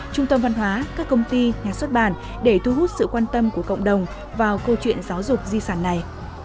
trung tâm văn hóa các công ty nhà xuất bản để thu hút sự quan tâm của cộng đồng vào câu chuyện giáo dục di sản này